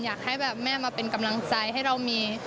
อยากให้แบบแม่มาเป็นกำลังใจให้เรามี